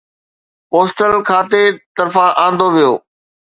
postal کاتي طرفان آندو ويو